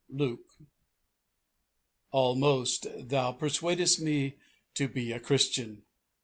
Luke. "Almost thou persuadest me to be a Christian."